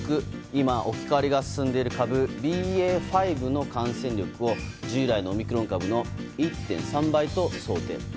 今、置き換わりが進んでいる株ＢＡ．５の感染力を従来のオミクロン株の１．３倍と想定。